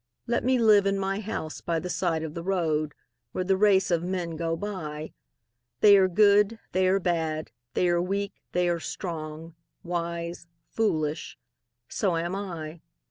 Let me live in my house by the side of the road, Where the race of men go by They are good, they are bad, they are weak, they are strong, Wise, foolish so am I.